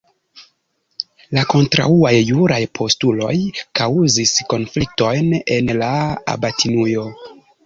La kontraŭaj juraj postuloj kaŭzis konfliktojn en la abatinujo.